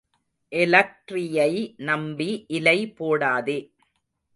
எலக்ட்ரியை நம்பி இலை போடாதே.